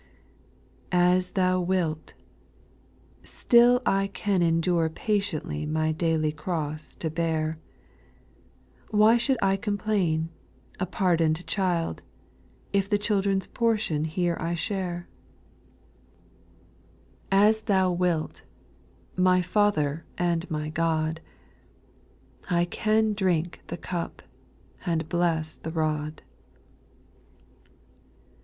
8. As Thou wilt I still I can endure Patiently my daily cross to bear ; Why should I complain, a pardon'd child, If the children's portion here I alvax^ \ 224 SPIRITUAL SON OS. As Thou wilt 1 my Father and my God 1 I can drink the cup, and bless the rod.